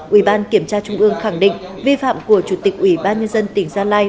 ủy ban kiểm tra trung ương khẳng định vi phạm của chủ tịch ủy ban nhân dân tỉnh gia lai